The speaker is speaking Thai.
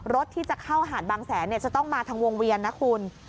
รถที่จะเข้าหาดบางแสนจะต้องมาทางวงเวียนนะคุณ